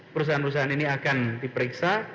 perusahaan perusahaan ini akan diperiksa